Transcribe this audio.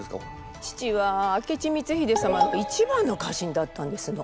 父は明智光秀様の一番の家臣だったんですの。